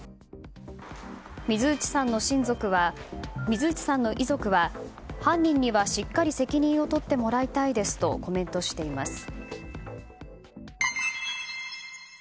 水内さんの遺族は犯人には、しっかり責任を取ってもらいたいですとコメントしています。